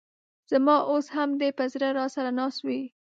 ز ما اوس هم دي په زړه راسره ناست وې